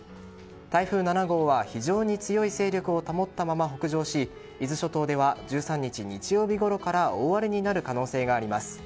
台風７号は非常に強い勢力を保ったまま北上し伊豆諸島では１３日、日曜日ごろから大荒れになる可能性があります。